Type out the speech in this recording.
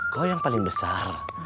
kau yang paling besar